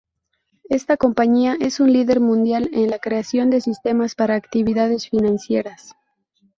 Esta compañía es un líder mundial en la creación de sistemas para actividades financieras.